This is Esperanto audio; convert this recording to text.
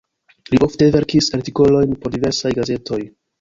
Li ofte verkis artikolojn por diversaj gazetoj.